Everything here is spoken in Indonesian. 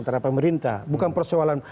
terhadap pemerintah bukan persoalan